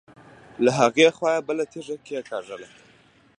له هغې خوا يې بله تيږه کېکاږله.